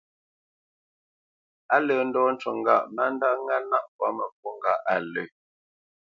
Á lə́ ndɔ́ ncú ŋgâʼ má ndáʼ ŋá nâʼ mbwǎ mə̂mbû ŋgâʼ á lə̂.